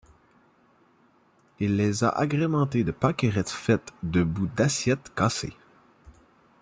Il les a agrémentées de pâquerettes faites de bouts d'assiettes cassées.